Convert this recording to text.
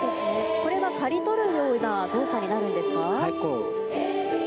これは刈り取るような動作になるんですか？